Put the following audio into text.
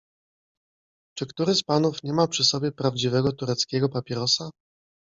Czy który z panów nie ma przy sobie prawdziwego tureckiego papierosa?